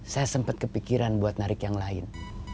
saya sempat kepikiran buat narik yang lain